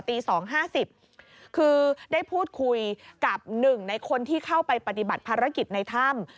ตี๒๕๐คือได้พูดคุยกับหนึ่งในคนที่เข้าไปปฏิบัติภารกิจในถ้ำ